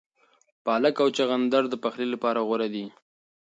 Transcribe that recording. پالک او چغندر د پخلي لپاره غوره دي.